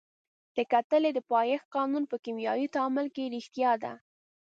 د کتلې د پایښت قانون په کیمیاوي تعامل کې ریښتیا دی.